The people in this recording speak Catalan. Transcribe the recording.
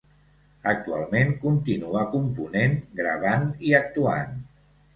Actualment continua component, gravant i actuant.